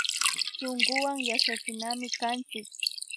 Shunkuwan yachachinami kanchik